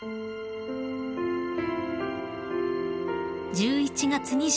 ［１１月２８日